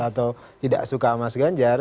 atau tidak suka mas ganjar